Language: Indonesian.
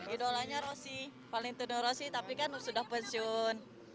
idolanya rosi paling tenang rosi tapi kan sudah pensiun